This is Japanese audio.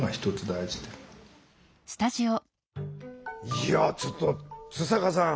いやちょっと津坂さん